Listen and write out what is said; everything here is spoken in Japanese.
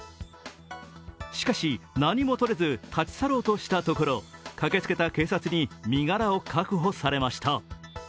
しかし、何も取れず立ち去ろうとしたところ、駆けつけた警察に身柄を確保されました。